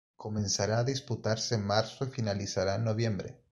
Comenzará a disputarse en marzo y finalizará en noviembre.